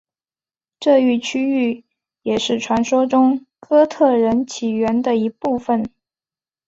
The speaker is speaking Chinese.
这一区域也是传说中哥特人起源的一部分。